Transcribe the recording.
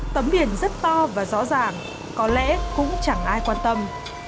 tấm biển rất to và rõ ràng có lẽ cũng chẳng ai quan tâm